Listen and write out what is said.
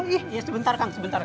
iya sebentar kang sebentar